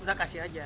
udah kasih aja